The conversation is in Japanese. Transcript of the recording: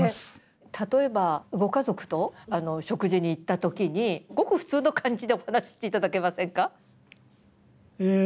例えばご家族と食事に行ったときにごく普通の感じでお話ししていただけませんか？